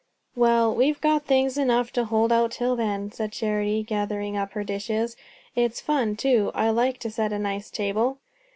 "Well, we've got things enough to hold out till then," said Charity, gathering up her dishes. "It's fun, too; I like to set a nice table."